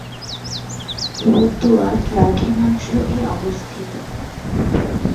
রতুয়া দ্রাঘিমাংশ এ অবস্থিত।